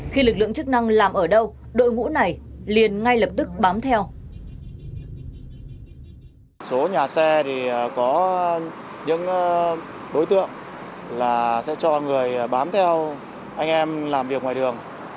khi lực lượng chức năng làm ở đâu đội ngũ này liền ngay lập tức bám theo